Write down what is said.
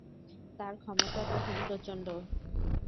তার ক্ষমতা তখন প্রচণ্ড।